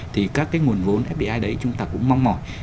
thì các cái nguồn vốn fdi đấy chúng ta cũng mong mỏi